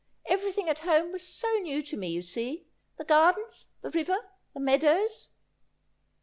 Everything at home was so new to me, you see — the gardens, the river, the meadows.'